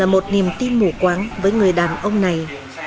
một niềm tin mù quáng với người đàn ông này